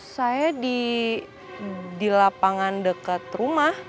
saya di lapangan dekat rumah